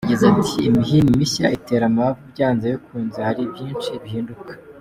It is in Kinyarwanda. Yagize ati “Imihini mishya itera amabavu, byanze bikunze hari byinshi bihinduka.